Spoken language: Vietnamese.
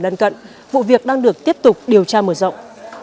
lần cận vụ việc đang được tiếp tục điều tra mở rộng